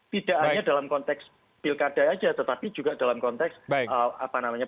tidak hanya dalam konteks pilkada saja tetapi juga dalam konteks bantuan sosial dan sebagainya